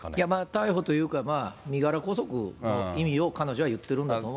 逮捕というか、身柄拘束の意味を彼女は言っているんだろうなと。